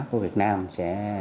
của việt nam sẽ